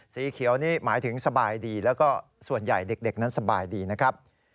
สีเขียวนี่หมายถึงสบายดีแล้วก็ส่วนใหญ่เด็กนั้นสบายดีนะครับ